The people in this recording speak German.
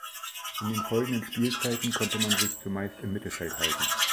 In den folgenden Spielzeiten konnte man sich zumeist im Mittelfeld halten.